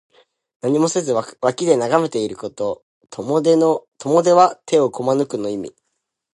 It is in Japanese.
何もせずに脇で眺めていること。「拱手」は手をこまぬくの意味。